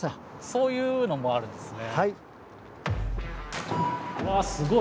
そういうのもあるんですね。わすごい。